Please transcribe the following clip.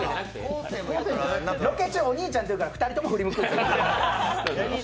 ロケ中、お兄ちゃんって言うから、２人とも振り向くんです。